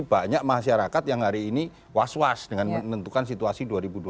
banyak masyarakat yang hari ini was was dengan menentukan situasi dua ribu dua puluh